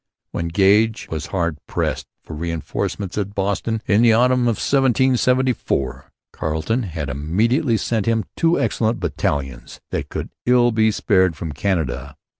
When Gage was hard pressed for reinforcements at Boston in the autumn of 1774 Carleton had immediately sent him two excellent battalions that could ill be spared from Canada.